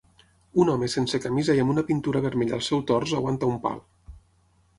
Un home sense camisa i amb una pintura vermella al seu tors aguanta un pal